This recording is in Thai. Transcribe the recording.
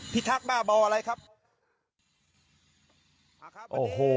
พี่ทักบ้าบออะไรครับ